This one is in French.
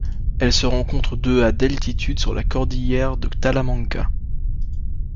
Elle se rencontre de à d'altitude sur la cordillère de Talamanca.